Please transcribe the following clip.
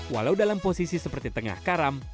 walau dalam posisi seperti tengah karam